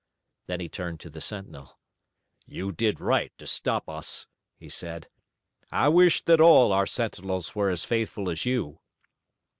Then he turned to the sentinel. "You did right to stop us," he said. "I wish that all our sentinels were as faithful as you."